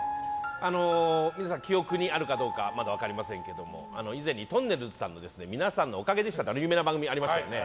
皆さん、記憶にあるかどうか分かりませんけども以前に「とんねるずのみなさんのおかげでした」という有名な番組ありましたよね。